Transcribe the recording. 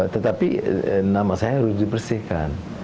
tetapi nama saya harus dibersihkan